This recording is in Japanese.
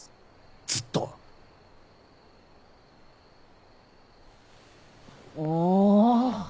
ずっと。も！